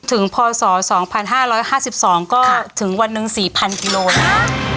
ถึงพศสองพันห้าร้อยห้าสิบสองก็ถึงวันนึงสี่พันกิโลละ